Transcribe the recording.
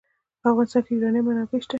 په افغانستان کې د یورانیم منابع شته.